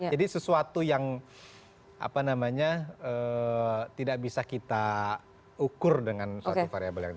jadi sesuatu yang apa namanya tidak bisa kita ukur dengan variable yang ini